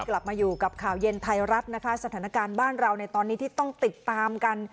กลับมาอยู่กับข่าวเย็นไทยรัฐนะคะสถานการณ์บ้านเราในตอนนี้ที่ต้องติดตามกัน